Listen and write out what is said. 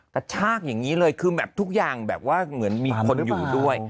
กระชากอย่างนี้เลยคือแบบทุกอย่างแบบว่าเหมือนมีคนอยู่ด้วย